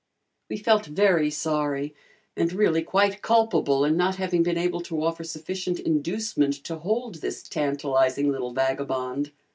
We felt very sorry and really quite culpable in not having been able to offer sufficient inducement to hold this tantalizing little vagabond.